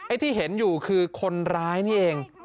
ที่เห็นอยู่คือคนร้ายนี่เอง